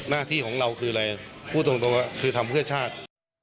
หน้าที่ของเราคืออะไรพูดตรงว่าคือทำเพื่อชาติ